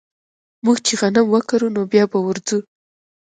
موږ چې غنم وکرو نو بيا به ورځو